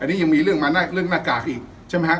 อันนี้ยังมีเรื่องมากากอีก